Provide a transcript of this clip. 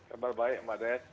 kabar baik mbak des